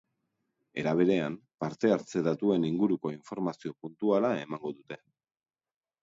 Era berean, parte-hartze datuen inguruko informazio puntuala emango dute.